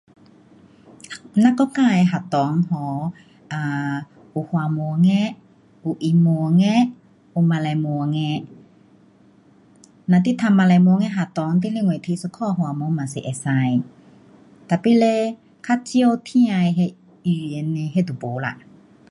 我国家的学堂 um 啊，有华文的，有英文的，有马来文的。若你读马来文的学堂，你另外提一颗华文也是可以。tapi 嘞，较少听的那语言嘞，那就没啦。